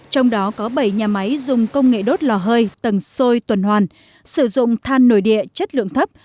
trong đó có bảy nhà máy dùng công nghệ đốt lò hơi tầng xôi tuần hoàn sử dụng than nội địa chất lượng thấp